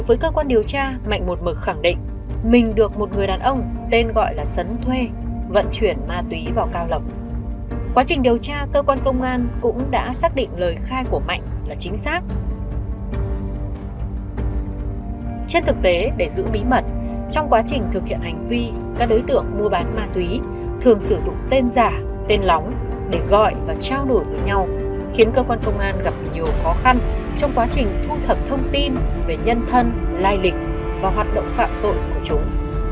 thường sử dụng tên giả tên lóng để gọi và trao đổi với nhau khiến cơ quan công an gặp nhiều khó khăn trong quá trình thu thẩm thông tin về nhân thân lai lịch và hoạt động phạm tội của chúng